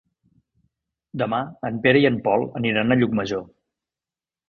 Demà en Pere i en Pol aniran a Llucmajor.